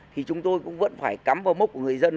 thì chúng tôi cũng vẫn phải cắm vào mốc của người dân